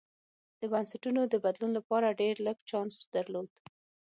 د بنسټونو د بدلون لپاره ډېر لږ چانس درلود.